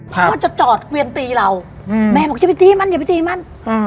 พ่อจะจอดเกวียนตีเราแม่บอกอย่าไปตีมั้นอย่าไปตีมั้น